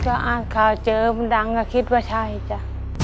ก็อาจคาวเจอมันดังกระคิดว่าใช่จ๊ะ